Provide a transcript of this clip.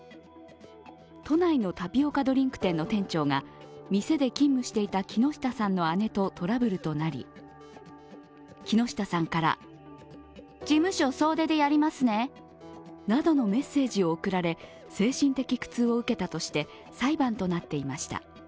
都内のタピオカドリンク店の店長が店で勤務していた木下さんの姉とトラブルとなり、木下さんからなどのメッセージを送られ精神的苦痛を受けたとして裁判となっていました。